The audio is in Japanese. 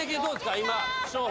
今。